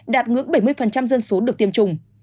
đạt ngưỡng bảy mươi dân số được tiêm chủng